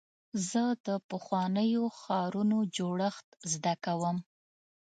زه د پخوانیو ښارونو جوړښت زده کوم.